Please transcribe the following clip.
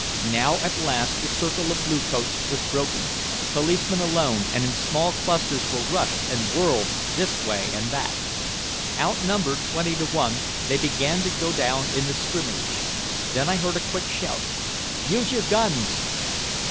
Now at last the circle of bluecoats was broken, policemen alone and in small clusters were rushed and whirled this way and that. Outnumbered twenty to one, they began to go down in the scrimmage. Then I heard a quick shout: "Use your guns!"